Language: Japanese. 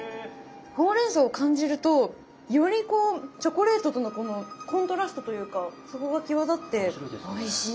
ほうれんそうを感じるとよりこうチョコレートとのこのコントラストというかそこが際立っておいしいな。